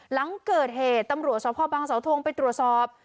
หลังเกิดเหตุตำรวจสพบังเสาทงไปตรวจสอบ